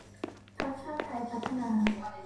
พรรคชาติไทยพัฒนา